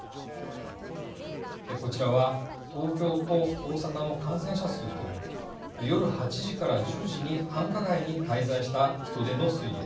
こちらは東京と大阪の感染者数と夜８時から１０時に繁華街に滞在した人出の推移です。